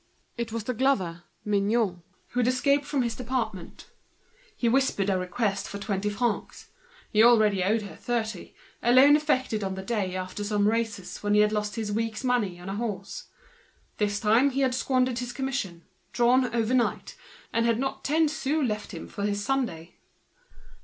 It was the glover, Mignot, escaped from his. He whispered a request for twenty francs; he already owed her thirty, a loan effected the day after a race, after Laving lost his week's salary on a horse; this time he had squandered his commission, drawn over night, and had not ten sous for his Sunday.